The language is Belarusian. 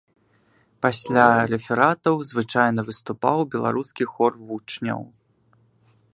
Пасля рэфератаў звычайна выступаў беларускі хор вучняў.